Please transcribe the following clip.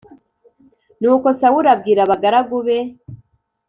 Nuko Sawuli abwira abagaragu be